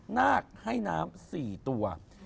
นาคให้น้ำ๔ตัว